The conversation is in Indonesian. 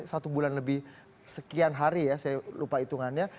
satu bulan lebih sekian hari ya saya lupa hitungannya